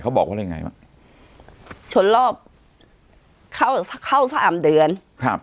เขาบอกว่าอะไรยังไงวะชนรอบเข้าเข้าสามเดือนครับ